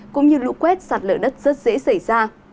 cũng như lũ quét giặt lỡ đất rất dễ xảy ra